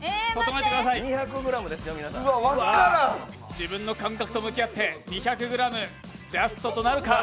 自分の感覚と向き合って、２００ｇジャストとなるか。